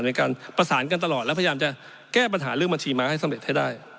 ในการประสานกันตลอดและพยายามจะแก้ปัญหาเรื่องบัญชีม้าให้สำเร็จให้ได้